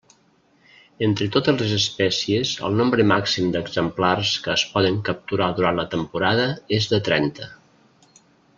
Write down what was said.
Entre totes les espècies el nombre màxim d'exemplars que es poden capturar durant la temporada és de trenta.